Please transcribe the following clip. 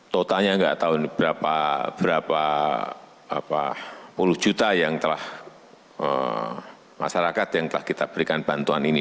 totalnya nggak tahu berapa puluh juta yang telah masyarakat yang telah kita berikan bantuan ini